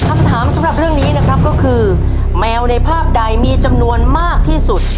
คำถามสำหรับเรื่องนี้นะครับก็คือแมวในภาพใดมีจำนวนมากที่สุด